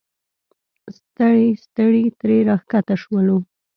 ستړي ستړي ترې راښکته شولو.